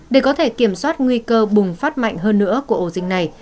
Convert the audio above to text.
để có thể kiểm soát nguy cơ bùng phát mạnh hơn nữa của ổ dịch này